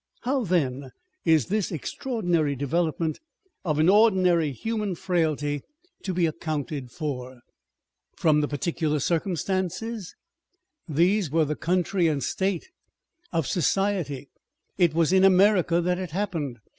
How then is this extraordinary development of an ordinary human frailty to On Depth and Superficiality. 505 be accounted for? From the peculiar circumstances? These were the country and state of society. It was in America that it happened.